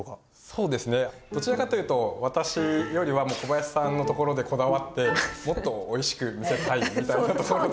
そうですねどちらかというと私よりはもう小林さんのところでこだわってもっとおいしく見せたいみたいなところで。